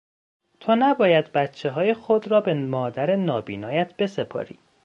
تو نباید بچههای خود را به مادر نابینایت بسپاری.